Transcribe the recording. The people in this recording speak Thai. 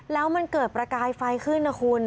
แล้วมันเกิดประกายไฟขึ้นนะคุณ